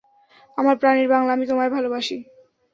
আমার প্রানের বাংলা, আমি তোমায় ভালোবাসি।